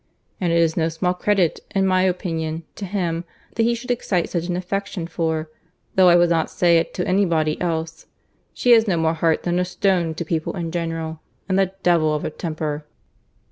And it is no small credit, in my opinion, to him, that he should excite such an affection; for, though I would not say it to any body else, she has no more heart than a stone to people in general; and the devil of a temper."